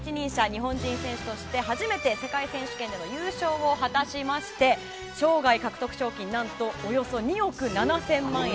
日本人選手として初めて世界選手権で優勝を果たしまして生涯獲得賞金およそ２億７０００万円。